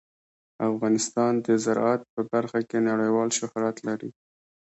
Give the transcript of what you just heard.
افغانستان د زراعت په برخه کې نړیوال شهرت لري.